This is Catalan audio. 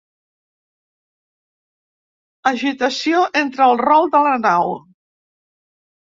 Agitació entre el rol de la nau.